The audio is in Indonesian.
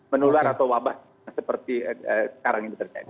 menular atau wabah seperti sekarang ini terjadi